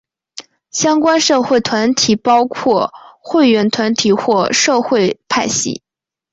相关社会团体包括会员团体或社会派系。